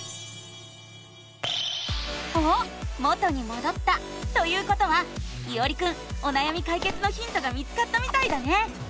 おっ元にもどったということはいおりくんおなやみかいけつのヒントが見つかったみたいだね！